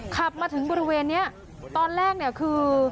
ขับมาถึงบริเวณนี้ตอนแรกเนี่ยคือ